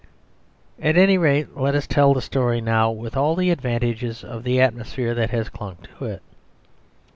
..... At any rate, let us tell the story now with all the advantages of the atmosphere that has clung to it.